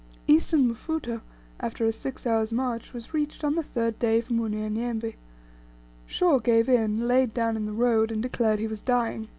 Eastern Mfuto, after a six hours' march, was reached on the third day from Unyanyembe. Shaw gave in, laid down in the road, and declared he was dying.